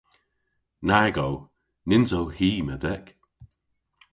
Nag o. Nyns o hi medhek.